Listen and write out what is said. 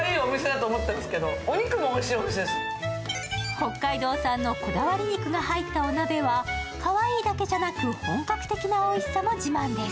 北海道産のこだわり肉が入ったお鍋は、かわいいだけじゃなく、本格的なおいしさも自慢です。